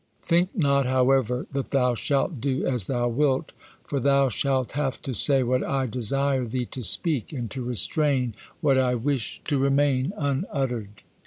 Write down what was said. Think not, however, that thou shalt do as thou wilt, for thou shalt have to say what I desire thee to speak, and to restrain what I wish to remain unuttered."